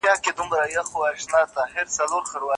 په خپل حکم به سنګسار وي خپل بادار ته شرمېدلی